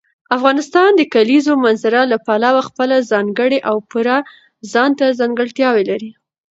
افغانستان د کلیزو منظره له پلوه خپله ځانګړې او پوره ځانته ځانګړتیاوې لري.